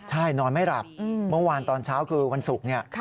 ใช่นอนไม่หลับเมื่อวานตอนเช้าคือวันศุกร์เนี่ย